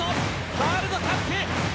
ワールドカップ